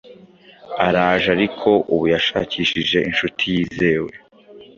Araje ariko ubuyashakishije inshuti yizewe